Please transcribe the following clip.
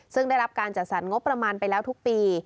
ซึ่งได้รับการจัดสรรงบประมาณไปแล้วทุกปี